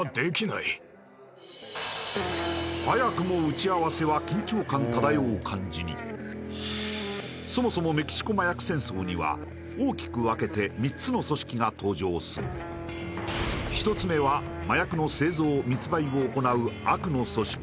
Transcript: なと思っていると言い渡される早くも打ち合わせは緊張感漂う感じにそもそもメキシコ麻薬戦争には大きく分けて三つの組織が登場する一つ目は麻薬の製造・密売を行う悪の組織